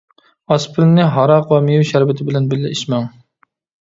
ئاسپىرىننى ھاراق ۋە مېۋە شەربىتى بىلەن بىللە ئىچمەڭ.